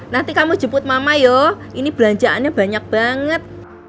nanti kamu jemput mama yo ini belanjaannya banyak banget